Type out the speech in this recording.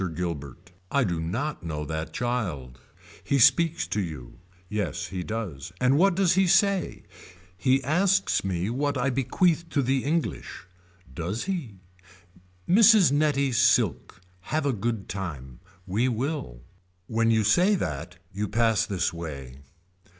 Gilbert. I do not know that child. He speaks to you. Yes he does. And what does he say. He asks me what I bequeath to the English. Does he. Mrs. Nettie Silk. Have a good time. We will. When you say that you pass this way.